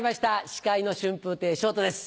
司会の春風亭昇太です。